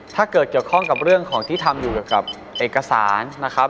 ถ้าเกิดเกี่ยวข้องกับเรื่องของที่ทำอยู่กับเอกสารนะครับ